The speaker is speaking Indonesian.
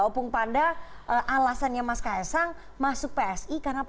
opung panda alasannya mas khs sang masuk psi karena psi ini partai kecil